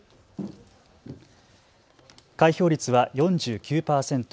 開票率は４９％。